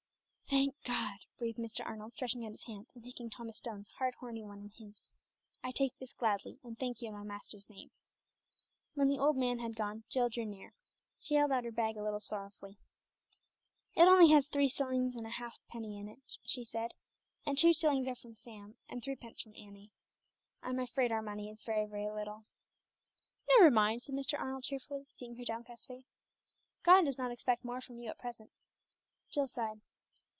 "Thank God," breathed Mr. Arnold, stretching out his hand and taking Thomas Stone's hard, horny one in his. "I take this gladly, and thank you in my Master's name." When the old man had gone Jill drew near. She held out her bag a little sorrowfully "It has only three shillings and a half penny in it," she said; "and two shillings are from Sam, and threepence from Annie. I'm afraid our money is very, very little." "Never mind," said Mr. Arnold cheerfully, seeing her downcast face, "God does not expect more from you at present." Jill sighed.